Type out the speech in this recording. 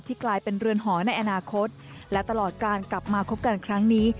กลายเป็นเรือนหอในอนาคตและตลอดการกลับมาคบกันครั้งนี้